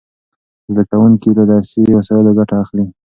زده کوونکي له درسي وسایلو ګټه اخلي.